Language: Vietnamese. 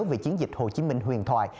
về chiến dịch hồ chí minh huyền thoại